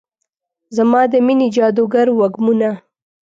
زما د میینې جادوګر وږمونه